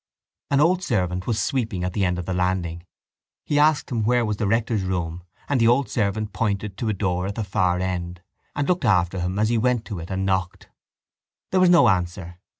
An old servant was sweeping at the end of the landing. He asked him where was the rector's room and the old servant pointed to the door at the far end and looked after him as he went on to it and knocked. There was no answer.